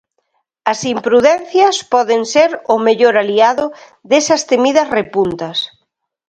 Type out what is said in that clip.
As imprudencias poden ser o mellor aliado desas temidas repuntas.